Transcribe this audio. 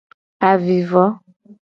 Avivo.